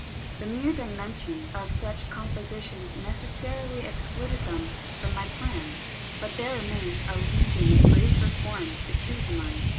The mere dimension of such compo 188 BUDDHIST ALLUSIONS sitions necessarily excluded them from my plan ; but tliere remained a legion of briefer forms to choose among.